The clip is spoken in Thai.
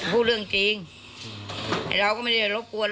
เผื่อเขายังไม่ได้งาน